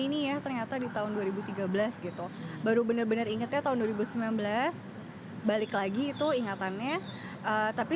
ini ya ternyata di tahun dua ribu tiga belas gitu baru bener bener ingetnya tahun dua ribu sembilan belas balik lagi itu ingatannya tapi